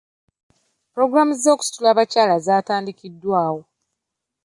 Pulogulaamu z'okusitula abakyala ziteekeddwawo.